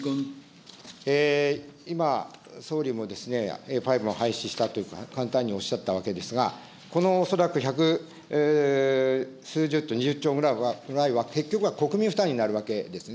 今、総理もですね、Ａファイブを廃止したと簡単におっしゃったわけですが、この恐らく百数十兆、２０兆ぐらいは結局、国民負担になるわけですね。